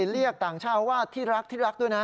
เรียกต่างชาติว่าที่รักที่รักด้วยนะ